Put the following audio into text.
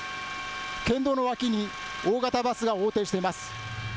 県道の脇に大型バスが横転しています。